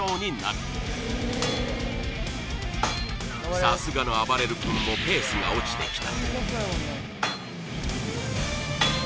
さすがのあばれる君もペースが落ちてきた。